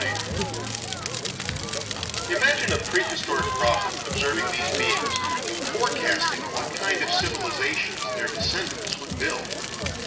IX Imagine a prehistoric prophet observing these beings, and forecasting what kind of civilizations their descendants would build.